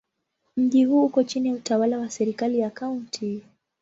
Mji huu uko chini ya utawala wa serikali ya Kaunti.